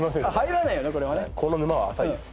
この沼は浅いです